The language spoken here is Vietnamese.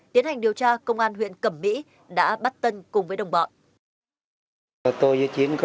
tiến hành điều tra công an huyện cẩm mỹ đã bắt tân cùng với đồng bọn